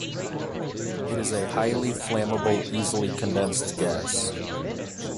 It is a highly flammable, easily condensed gas.